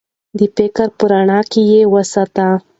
د فکر په رڼا کې یې وساتو.